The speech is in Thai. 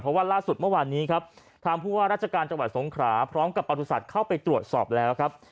เพราะว่าล่าสุดเมื่อวานนี้ครับทางผู้ว่าราชการจังหวัดสงขราพร้อมกับประสุทธิ์เข้าไปตรวจสอบแล้วครับ